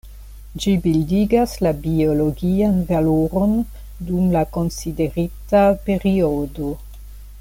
Ĝi bildigas la biologian valoron dum la konsiderita periodo.